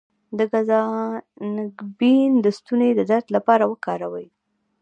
د ګز انګبین د ستوني د درد لپاره وکاروئ